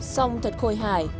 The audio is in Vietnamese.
sông thật khôi hải